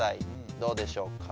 どうでしょうか？